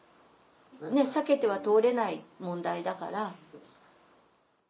避けては通れない問題だから。